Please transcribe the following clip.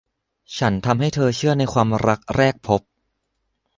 ฉันทำให้เธอเชื่อในความรักแรกพบ